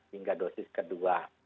hingga dosis kedua